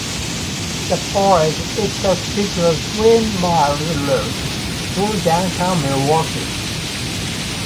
The parade itself took a three-mile route through downtown Milwaukee.